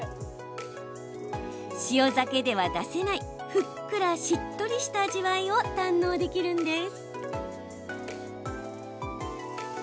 塩ザケでは出せないふっくら、しっとりした味わいを堪能できるんです。